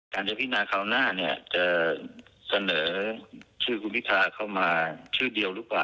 การเจ้าพิจารณาคราวหน้าจะเสนอชื่อคุณพิทราเข้ามาชื่อเดียวหรือเปล่า